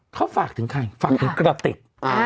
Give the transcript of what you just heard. เขาฝากถึงใครฝากถึงกระติก